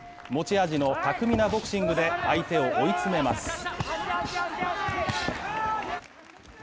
持ち味の巧みなボクシングで相手を追い詰めます。